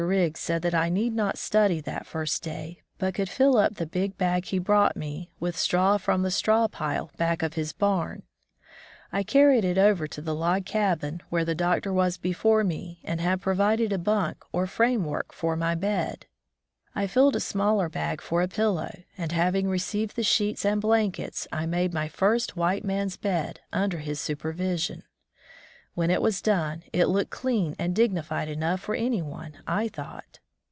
Riggs said that I need not study that first day, but could fill up the big bag he brought me with straw from the straw pile back of his bam. I carried it over to the log cabin, where the Doctor was before me and had provided a bunk or framework 42 On the White MarCs Trail for my bed. I filled a smaller bag for a pillow, and, having received the sheets and blankets, I made my first white man's bed mider his supervision. When it was done it looked clean and dignified enough for any one, I thought.